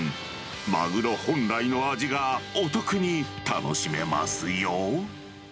マグロ本来の味がお得に楽しめますよ。